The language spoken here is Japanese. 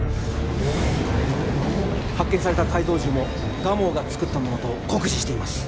発見された改造銃も蒲生が作ったものと酷似しています。